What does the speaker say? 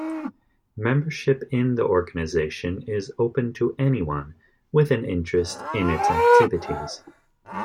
Membership in the organization is open to anyone with an interest in its activities.